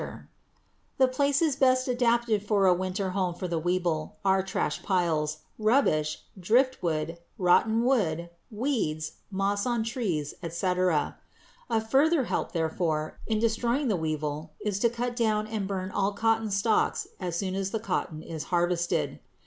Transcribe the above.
THE PUPA OF THE COTTON BOLL WEEVIL IN A SQUARE] The places best adapted for a winter home for the weevil are trash piles, rubbish, driftwood, rotten wood, weeds, moss on trees, etc. A further help, therefore, in destroying the weevil is to cut down and burn all cotton stalks as soon as the cotton is harvested.